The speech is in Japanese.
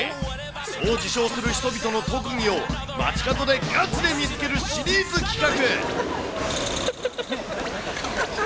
そう自称する人々の特技を街角でガチで見つけるシリーズ企画。